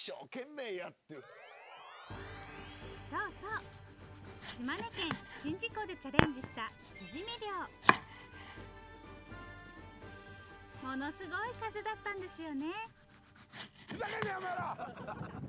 そうそう島根県宍道湖でチャレンジしたしじみ漁ものすごい風だったんですよね